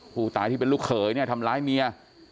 ผู้ตายที่เป็นลูกเขยทำร้ายเมีย